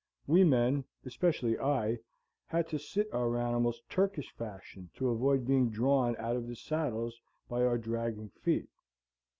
We men, especially I, had to sit our animals Turkish fashion to avoid being drawn out of the saddles by our dragging feet.